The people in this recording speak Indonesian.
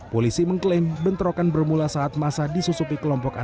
polisi mengklaim bentrokan bermula saat masa disusupi kelompok abu